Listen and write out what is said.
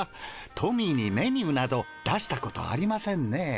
トミーにメニューなど出したことありませんね。